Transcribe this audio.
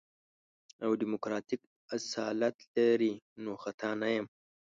او ديموکراتيک اصالت لري نو خطا نه يم.